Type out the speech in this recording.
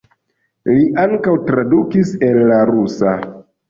Li ankaŭ tradukis el la rusa.